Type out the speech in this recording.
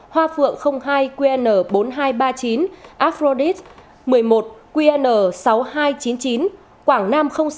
hoa phượng hai qn bốn nghìn hai trăm ba mươi chín acrdit một mươi một qn sáu nghìn hai trăm chín mươi chín quảng nam sáu